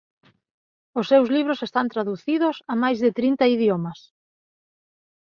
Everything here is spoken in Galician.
Os seus libros están traducidos a máis de trinta idiomas.